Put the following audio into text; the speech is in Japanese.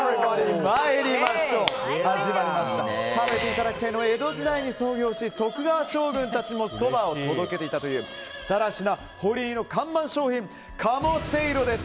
食べていただきたいのは江戸時代に創業し徳川将軍たちにもそばを届けていたという更科堀井の看板商品鴨せいろです。